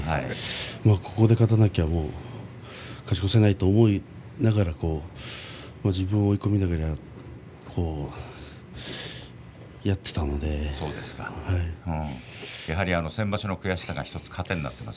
ここで勝たないと勝ち越せないと思いながら自分を追い込みながらやはり先場所の悔しさが１つそうです。